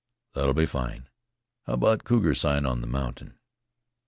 "That'll be fine. How about cougar sign on the mountain?"